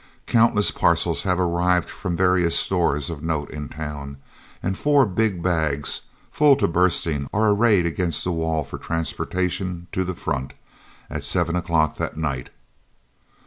Countless parcels have arrived from various stores of note in town, and four big bags, full to bursting, are arrayed against the wall for transportation "to the front" at 7 o'clock that night.